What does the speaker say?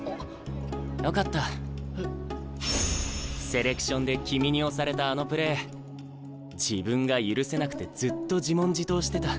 セレクションで君に圧されたあのプレー自分が許せなくてずっと自問自答してた。